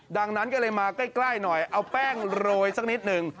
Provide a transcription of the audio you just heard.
ดังนั้นก็เลยมาใกล้หน่อยเอาแป้งโรยสักนิดหนึ่ง